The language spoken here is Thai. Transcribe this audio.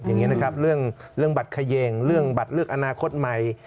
อย่างนี้นะครับเรื่องบัตรเขย่งเรื่องบัตรเลือกอนาคตใหม่